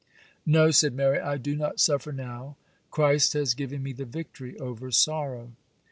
'No,' said Mary; 'I do not suffer now. Christ has given me the victory over sorrow.